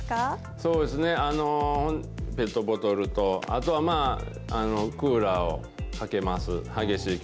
そうですね、ペットボトルと、あとはクーラーをかけます。